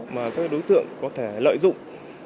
mà các đối tượng có thể lợi dụng